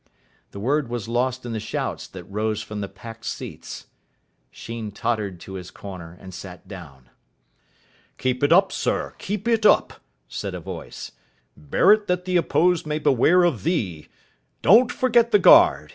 The word was lost in the shouts that rose from the packed seats. Sheen tottered to his corner and sat down. "Keep it up, sir, keep it up," said a voice. "Bear't that the opposed may beware of thee. Don't forget the guard.